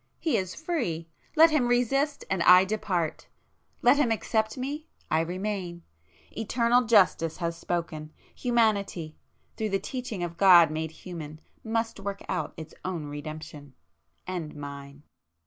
He is free!—let him resist and I depart;—let him accept me, I remain! Eternal Justice has spoken,—Humanity, through the teaching of God made human, must work out its own redemption,—and Mine!"